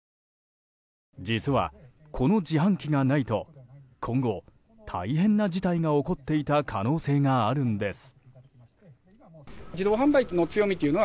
実は、この自販機がないと今後、大変な事態が起こっていた可能性があるんです。